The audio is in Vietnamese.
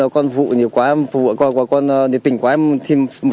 vâng em không biết